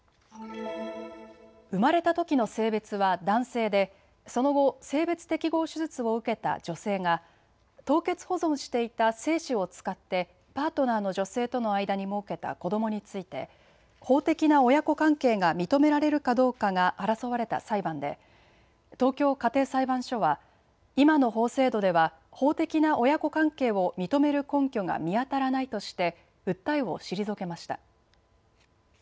生まれたときの性別は男性でその後、性別適合手術を受けた女性が凍結保存していた精子を使ってパートナーの女性との間にもうけた子どもについて法的な親子関係が認められるかどうかが争われた裁判で、東京家庭裁判所は今の法制度では法的な親子関係を認める根拠が見当たらないとして訴えを退けました。